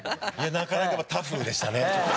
なかなかタフでしたね。